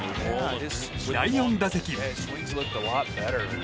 第４打席。